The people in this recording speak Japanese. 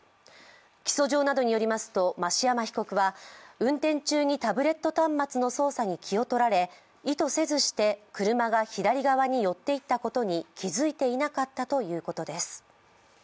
起訴状などによりますと、増山被告は運転中にタブレット端末の操作に気をとられ意図せずして車が左側に寄っていったことに気づいていなかったということです。